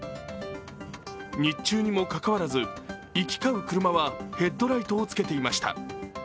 日中にもかかわらず行き交う車はヘッドライトをつけていました。